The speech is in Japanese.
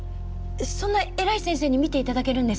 そんな偉い先生に見て頂けるんですか？